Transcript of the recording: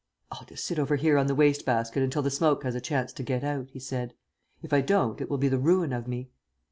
"I'll just sit over here on the waste basket until the smoke has a chance to get out," he said. "If I don't, it will be the ruin of me."